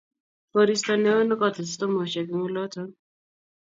koristo neo ne kotil stimoshek eng' oloton